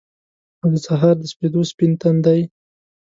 او دسهار دسپیدو ، سپین تندی